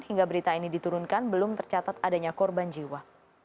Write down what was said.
hingga berita ini diturunkan belum tercatat adanya korban jiwa